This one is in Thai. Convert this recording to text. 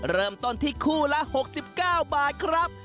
เริ่มต้นที่คู่ละ๖๙บาทครับ